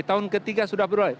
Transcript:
tahun ketiga sudah berubah lagi